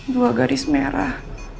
dua garis merah